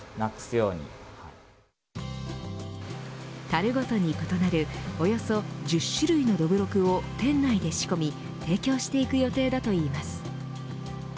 たるごとに異なるおよそ１０種類のどぶろくを店内で仕込み提供していく予定だといいます。